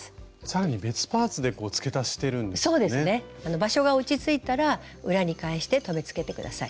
場所が落ち着いたら裏に返して留めつけて下さい。